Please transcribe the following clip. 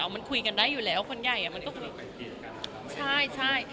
เอามันคุยกันได้อยู่แล้วคนใหญ่อ่ะมันก็คือใช่ใช่ใช่